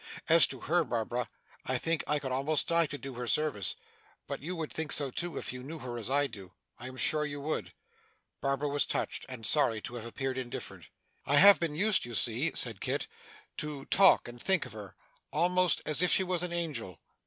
As to her, Barbara, I think I could almost die to do her service, but you would think so too, if you knew her as I do. I am sure you would.' Barbara was touched, and sorry to have appeared indifferent. 'I have been used, you see,' said Kit, 'to talk and think of her, almost as if she was an angel.